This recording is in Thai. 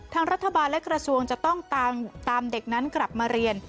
ทางรัฐบาลและกระทรวงจะต้องตามเด็กนั้นกลับมาเรียน